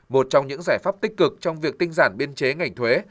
một trong những giải pháp tích cực trong việc tinh giản biên chế ngành thuế